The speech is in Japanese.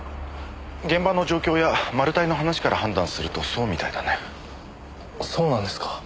現場の状況やマル対の話から判断するとそうみたいだね。そうなんですか。